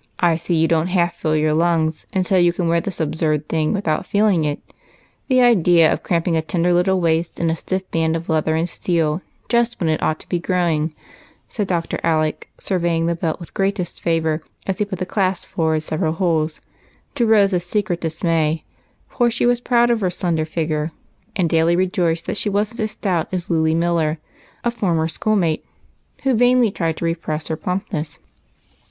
" I see you don't half fill your lungs, and so you can wear this absurd thing without feeling it. The idea of cramping a tender little waist in a stiff band of leather and steel just when it ought to be growing," said Dr. Alec, surveying the belt with great disfavor as he put the clasj) forward several holes, to Rose's secret dismay, for she was proud of her slender figure, and daily rejoiced that she wasn't as stout as Luly Miller, a former schoolmate, who vainly tried to re press her plumpness.